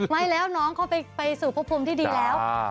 ไม่แล้วน้องเขาไปสู่พบภูมิที่ดีแล้ว